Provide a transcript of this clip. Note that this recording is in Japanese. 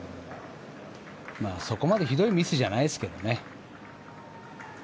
そこまでひどいミスじゃないですけどね。